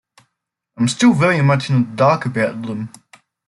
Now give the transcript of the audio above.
I’m still very much in the dark about them.